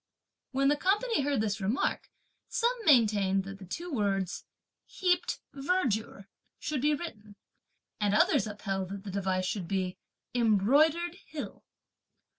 When the company heard his remark, some maintained that the two words "Heaped verdure" should be written; and others upheld that the device should be "Embroidered Hill."